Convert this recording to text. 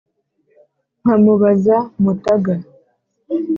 Nkamubaza Mutaga,